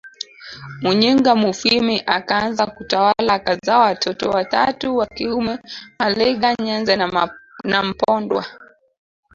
Muyinga mufwimi akaanza kutawala akazaa watoto watatu wa kiume Maliga Nyenza na Mpondwa